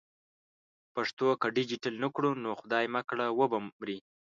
پښتو که ډیجیټل نه کړو نو خدای مه کړه و به مري.